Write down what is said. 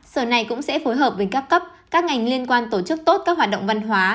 sở này cũng sẽ phối hợp với các cấp các ngành liên quan tổ chức tốt các hoạt động văn hóa